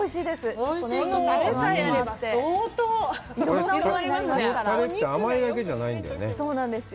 このタレって、甘いだけじゃないんだよね。